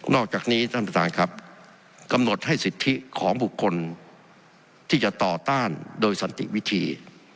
อกจากนี้ท่านประธานครับกำหนดให้สิทธิของบุคคลที่จะต่อต้านโดยสันติวิธี